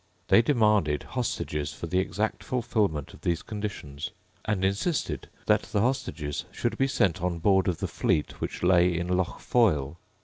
They demanded hostages for the exact fulfilment of these conditions, and insisted that the hostages should be sent on board of the fleet which lay in Lough Foyle.